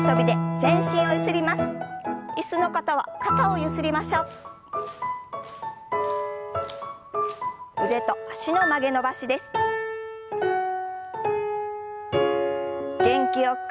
元気よく。